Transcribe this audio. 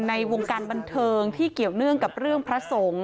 ในวงการบันเทิงที่เกี่ยวเนื่องกับเรื่องพระสงฆ์